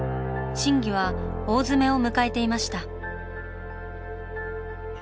審議は大詰めを迎えていました。